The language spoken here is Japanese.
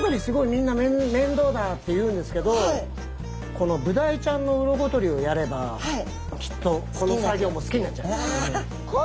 みんな面倒だって言うんですけどこのブダイちゃんの鱗取りをやればきっとこの作業も好きになっちゃう。